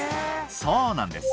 そうなんです